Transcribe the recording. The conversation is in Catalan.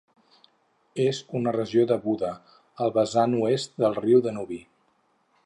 És una regió de Buda, al vessant oest del riu Danubi.